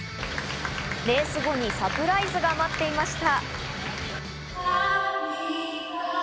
レース後にサプライズが待っていました。